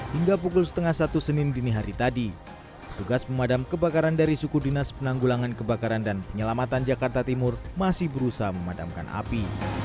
hingga pukul setengah satu senin dini hari tadi tugas pemadam kebakaran dari suku dinas penanggulangan kebakaran dan penyelamatan jakarta timur masih berusaha memadamkan api